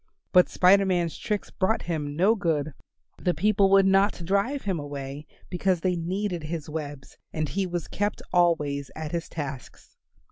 But Spider Man's tricks brought him no good; the people would not drive him away because they needed his webs and he was kept always at his tasks.